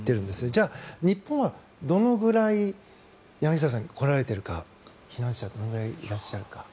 じゃあ、日本はどのくらい柳澤さん、来られているか避難者どれくらいいらっしゃるか。